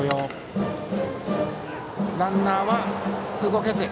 ランナーは動けず。